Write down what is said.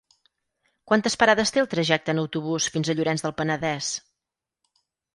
Quantes parades té el trajecte en autobús fins a Llorenç del Penedès?